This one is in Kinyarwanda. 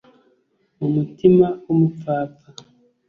mu mutima w umupfapfa